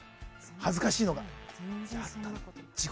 恥ずかしいのが。